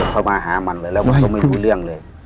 เขามาหามันเลยแล้วมันก็ไม่รู้เรื่องเลย